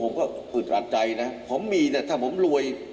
โอ้ผมก็ผิดหลักใจนะผมมีแต่ถ้าผมรวย